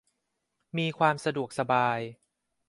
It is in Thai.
มีความสะดวกสบาย